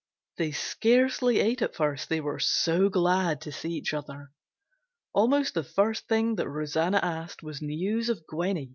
They scarcely ate at first, they were so glad to see each other. Almost the first thing that Rosanna asked was news of Gwenny.